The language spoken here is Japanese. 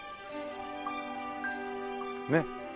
ねっ。